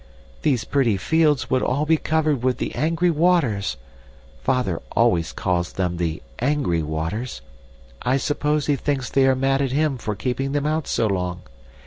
These pretty fields would all be covered with the angry waters Father always calls them the ANGRY waters. I suppose he thinks they are mad at him for keeping them out so long.